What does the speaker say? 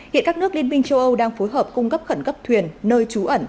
hiện các nước liên minh châu âu đang phối hợp cung cấp khẩn cấp thuyền nơi trú ẩn